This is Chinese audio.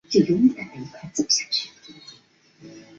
离母糕用四十八片非常整齐均匀的糕块。